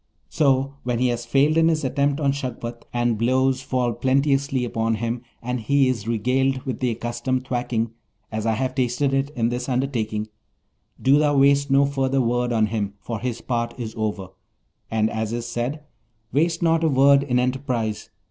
So, when he has failed in his attempt on Shagpat, and blows fall plenteously upon him, and he is regaled with the accustomed thwacking, as I have tasted it in this undertaking, do thou waste no further word on him, for his part is over, and as is said: "Waste not a word in enterprise!